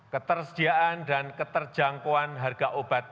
ketersediaan dan keterjangkauan harga obat